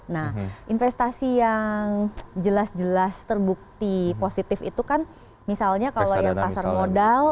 nah investasi yang jelas jelas terbukti positif itu kan misalnya kalau yang pasar modal